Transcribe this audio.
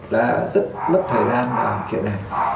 là rất mất thời gian vào chuyện này